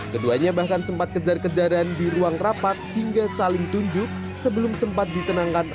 keduanya bahkan sempat kejar kejaran di ruang rapat hingga saling tunjuk sebelum sempat ditenangkan